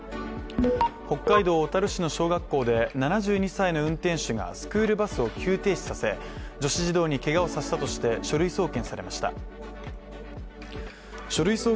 北海道小樽市の小学校で７２歳の運転手がスクールバスを急停止させ女子児童にけがをさせたとして書類送検されました。